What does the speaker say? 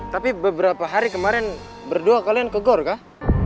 tapi beberapa hari kemarin berdua kalian ke gor kah